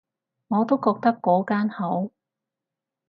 我都覺得嗰間好